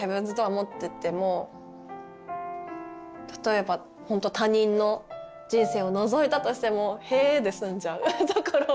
持ってても例えばほんと他人の人生をのぞいたとしてもへぇで済んじゃうところ。